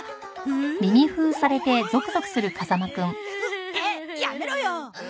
ってやめろよ！